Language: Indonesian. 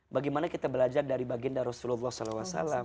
bagaimana kita belajar dari bagian rasulullah saw